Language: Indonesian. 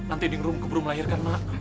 nanti ningrum keburu melahirkan mak